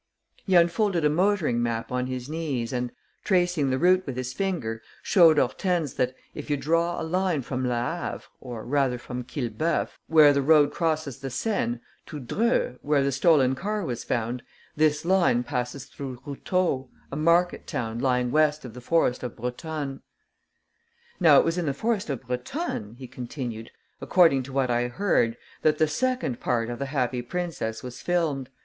He unfolded a motoring map on his knees and, tracing the route with his finger, showed Hortense that, if you draw a line from Le Havre, or rather from Quillebeuf, where the road crosses the Seine, to Dreux, where the stolen car was found, this line passes through Routot, a market town lying west of the forest of Brotonne: "Now it was in the forest of Brotonne," he continued, "according to what I heard, that the second part of The Happy Princess was filmed.